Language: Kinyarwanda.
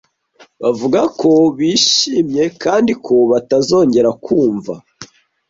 bavuga ko bishimye kandi ko batazongera kumva